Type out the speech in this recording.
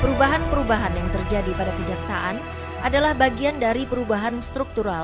perubahan perubahan yang terjadi pada kejaksaan adalah bagian dari perubahan struktural